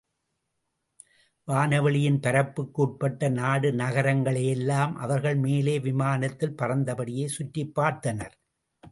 வானவெளியின் பரப்புக்கு உட்பட்ட நாடு நகரங்களையெல்லாம் அவர்கள் மேலே விமானத்திற் பறந்த படியே சுற்றிப் பார்த்தனர்.